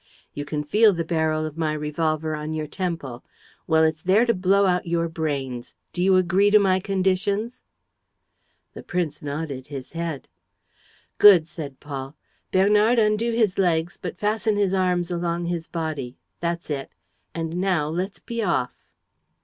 You can feel the barrel of my revolver on your temple: Well, it's there to blow out your brains. Do you agree to my conditions?" The prince nodded his head. "Good," said Paul. "Bernard, undo his legs, but fasten his arms along his body. ... That's it. ... And now let's be off."